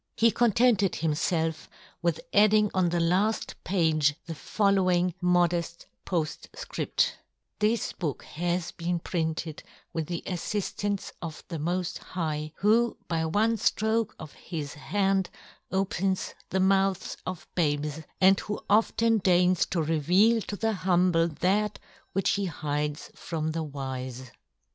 He contented him felf with adding on the laft page the following modeft poftfcript :— "This " book has been printed with the ajjiji " ance of the Moji High, who by one " Jiroke of His hand opens the mouths " of babes, and who often deigns to re *' veal to the humble that which He " hides from the wife."